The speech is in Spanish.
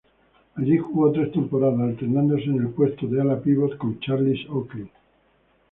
Allí jugó tres temporadas, alternándose en el puesto de ala-pívot con Charles Oakley.